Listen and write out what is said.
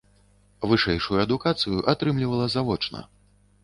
Вышэйшую адукацыю атрымлівала завочна.